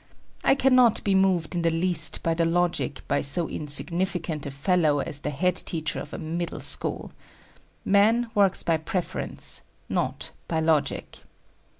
I cannot be moved in the least by the logic by so insignificant a fellow as the head teacher of a middle school. Man works by preference, not by logic.